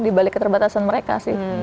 jadi ini kembali keterbatasan mereka sih